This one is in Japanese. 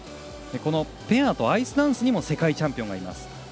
ペアとアイスダンスにも世界チャンピオンがいます。